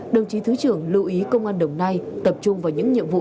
đồng chí thứ trưởng lưu ý công an đồng nai tập trung vào những nhiệm vụ